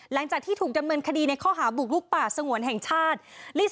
หลังจากที่ถูกดำเนินคดีในข้อหาบุกลุกป่าสงวนแห่งชาติ